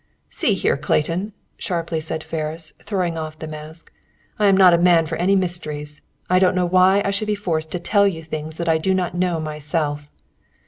"See here, Clayton," sharply said Ferris, throwing off the mask. "I am not a man for any mysteries. I don't know why I should be forced to tell you things that I do not know myself.